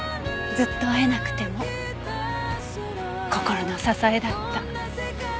ずっと会えなくても心の支えだった。